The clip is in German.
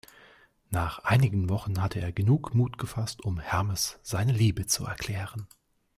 Nach einigen Wochen hatte er genug Mut gefasst, um Hermes seine Liebe zu erklären.